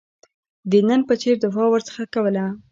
د نن په څېر دفاع ورڅخه کوله.